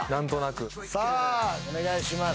さあお願いします。